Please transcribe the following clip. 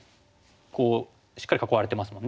こうしっかり囲われてますもんね。